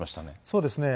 そうですね。